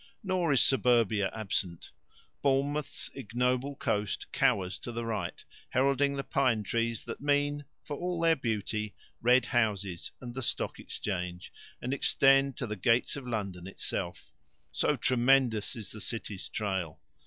Nor is Suburbia absent. Bournemouth's ignoble coast cowers to the right, heralding the pine trees that mean, for all their beauty, red houses, and the Stock Exchange, and extend to the gates of London itself. So tremendous is the City's trail!